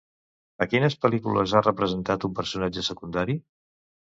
A quines pel·lícules ha representat un personatge secundari?